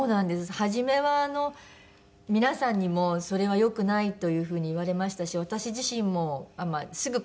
初めは皆さんにもそれは良くないという風に言われましたし私自身もすぐ子どもができたので。